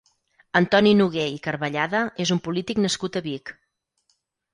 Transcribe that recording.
Antoni Noguer i Carvellada és un polític nascut a Vic.